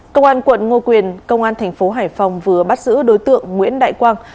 công an quận ngô quyền công an thành phố hải phòng vừa bắt giữ đối tượng nguyễn đại quang